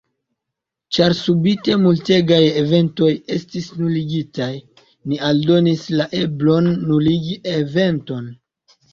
Ĉar subite multegaj eventoj estis nuligitaj, ni aldonis la eblon nuligi eventon.